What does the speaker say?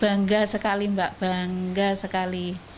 bangga sekali mbak bangga sekali